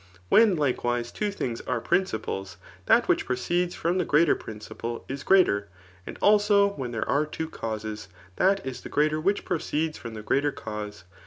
When# likewise, two things are principles, that which proceeds from the greater principle is greater ; and also when there are two causes, that is the greater which proceeds from the greater cause.